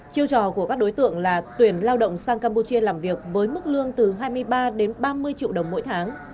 chiêu trò của các đối tượng là tuyển lao động sang campuchia làm việc với mức lương từ hai mươi ba đến ba mươi triệu đồng mỗi tháng